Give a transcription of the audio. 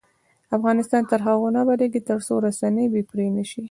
افغانستان تر هغو نه ابادیږي، ترڅو رسنۍ بې پرې نشي.